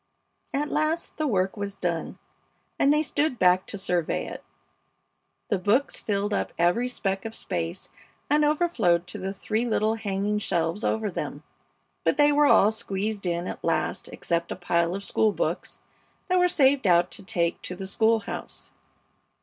At last the work was done, and they stood back to survey it. The books filled up every speck of space and overflowed to the three little hanging shelves over them; but they were all squeezed in at last except a pile of school books that were saved out to take to the school house.